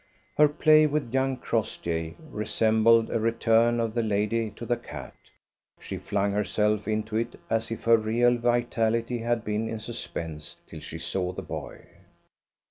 Her play with young Crossjay resembled a return of the lady to the cat; she flung herself into it as if her real vitality had been in suspense till she saw the boy.